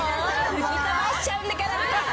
吹き飛ばしちゃうんだから。